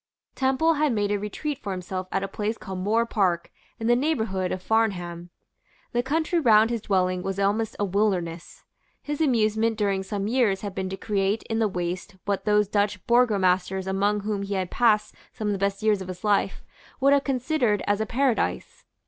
Temple had made a retreat for himself at a place called Moor Park, in the neighbourhood of Farnham. The country round his dwelling was almost a wilderness. His amusement during some years had been to create in the waste what those Dutch burgomasters among whom he had passed some of the best years of his life, would have considered as a paradise.